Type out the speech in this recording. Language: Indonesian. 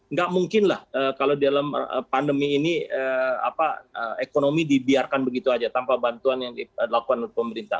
nggak mungkin lah kalau dalam pandemi ini ekonomi dibiarkan begitu saja tanpa bantuan yang dilakukan oleh pemerintah